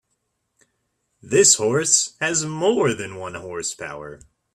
This horse has more than one horse power.